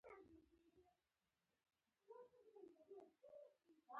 دوکاندار له دښمنۍ نه کرکه لري.